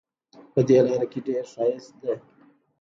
په دې لاره کې ډېر ښایست ده